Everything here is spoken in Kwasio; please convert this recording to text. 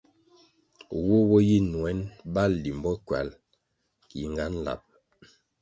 Woh bo yi nuen bali limbo ckywal, yingan lab.